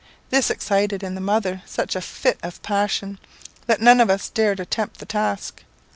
This excited in the mother such a fit of passion, that none of us dared attempt the task.